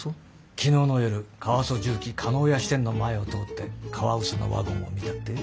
昨日の夜カワソ什器叶谷支店の前を通ってカワウソのワゴンを見たって？